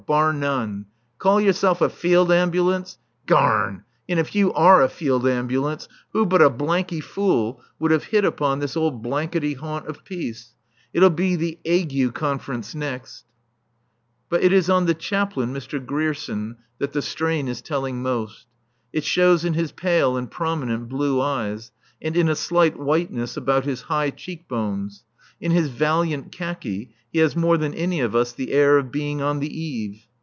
Bar none. Call yourself a field ambulance? Garn! And if you are a field ambulance, who but a blanky fool would have hit upon this old blankety haunt of peace. It'll be the 'Ague Conference next!" But it is on the Chaplain, Mr. Grierson, that the strain is telling most. It shows in his pale and prominent blue eyes, and in a slight whiteness about his high cheek bones. In his valiant khaki he has more than any of us the air of being on the eve.